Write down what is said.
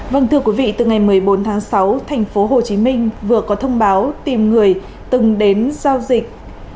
vâng thưa quý vị từ ngày một mươi bốn tháng sáu thành phố hồ chí minh vừa có thông báo tìm người từng đến giao dịch